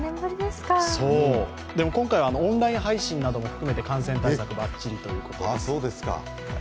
今回オンライン配信なども含めて感染対策ばっちりということです。